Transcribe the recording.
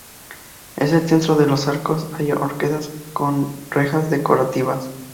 En el centro de los arcos hay oquedades con rejas decorativas.